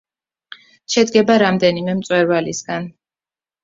შედგება რამდენიმე მწვერვალისგან.